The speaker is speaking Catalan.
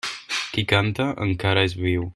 Qui canta, encara és viu.